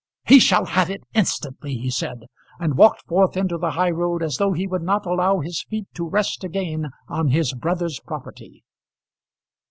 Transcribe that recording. "He shall have it instantly," he said, and walked forth into the high road as though he would not allow his feet to rest again on his brother's property.